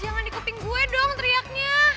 jangan dikeping gue dong teriaknya